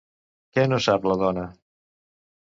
Què no sap la dona?